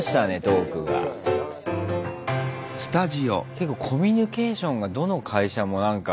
結構コミュニケーションがどの会社もなんか。